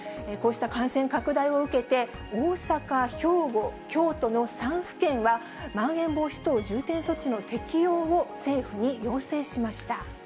こうした感染拡大を受けて、大阪、兵庫、京都の３府県は、まん延防止等重点措置の適用を政府に要請しました。